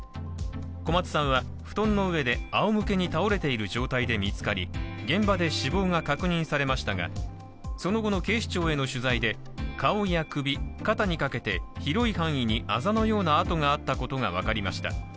小松さんは、布団の上であおむけに倒れている状態で見つかり現場で死亡が確認されましたがその後の警視庁への取材で顔や首、肩にかけて広い範囲にあざのような痕があったことが分かりました。